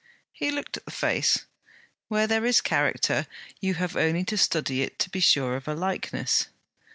He looked at the face. 'Where there is character, you have only to study it to be sure of a likeness.'